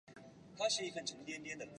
莫库尔。